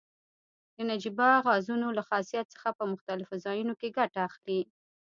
د نجیبه غازونو له خاصیت څخه په مختلفو ځایو کې ګټه اخلي.